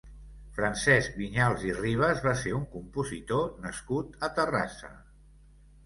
Francesc Vinyals i Ribas va ser un compositor nascut a Terrassa.